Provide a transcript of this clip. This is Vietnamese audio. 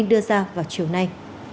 đưa ra vào chiều nay